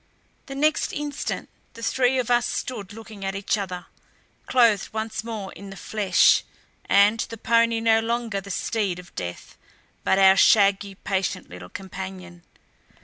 The next instant the three of us stood looking at each other, clothed once more in the flesh, and the pony no longer the steed of death, but our shaggy, patient little companion.